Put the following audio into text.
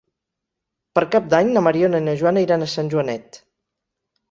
Per Cap d'Any na Mariona i na Joana iran a Sant Joanet.